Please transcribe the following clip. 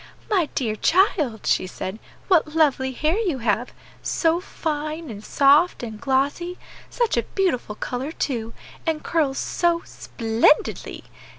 "My dear child," she said, "what lovely hair you have! so fine, and soft, and glossy; such a beautiful color, too, and curls so _splendidly!